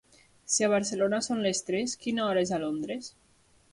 Si a Barcelona són les tres, quina hora és a Londres?